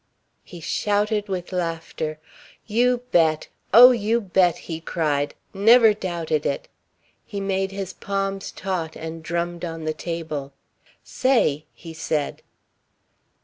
He shouted with laughter. "You bet! Oh, you bet!" he cried. "Never doubted it." He made his palms taut and drummed on the table. "Say!" he said.